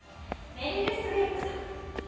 メリル・ストリープさん。